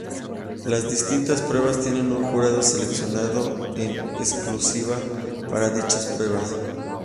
Las distintas pruebas tienen un jurado seleccionado en exclusiva para dichas pruebas.